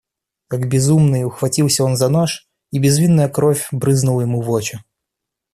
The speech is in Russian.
Как безумный, ухватился он за нож, и безвинная кровь брызнула ему в очи